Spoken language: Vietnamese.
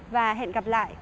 và hẹn gặp lại